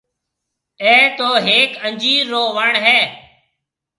اَي تو هيڪ انجير رو وڻ هيَ۔